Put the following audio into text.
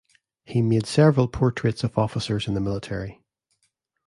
He made several portraits of officers in the military.